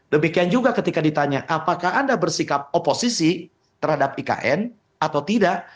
demikian juga ketika ditanya apakah anda bersikap oposisi terhadap ikn atau tidak